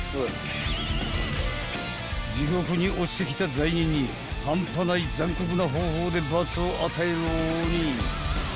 ［地獄に落ちてきた罪人にハンパない残酷な方法で罰を与える鬼］